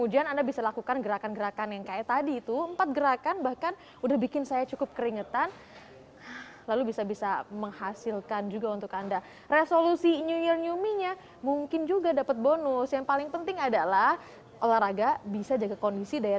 jangan lupa subscribe channel ini untuk dapat info terbaru